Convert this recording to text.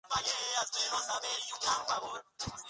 Los tres tendrían luego lucida actuación.